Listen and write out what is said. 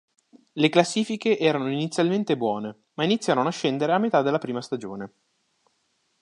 Le classifiche erano inizialmente buone, ma iniziarono a scendere a metà della prima stagione.